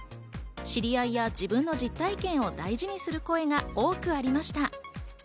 知り合いや自分の実体験を大事にする声が多くありました。